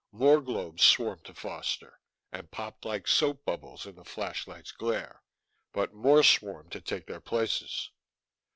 More globes swarmed to Foster and popped like soap bubbles in the flashlight's glare but more swarmed to take their places.